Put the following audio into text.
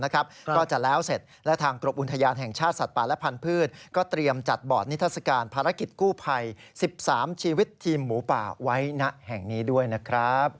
การภารกิจกู้ไพร๑๓ชีวิตทีมหมูป่าไว้หน้าแห่งนี้ด้วยนะครับ